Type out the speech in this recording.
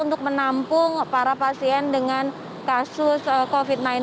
untuk menampung para pasien dengan kasus covid sembilan belas